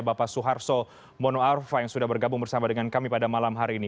bapak suharto mono arfa yang sudah bergabung bersama dengan kami pada malam hari ini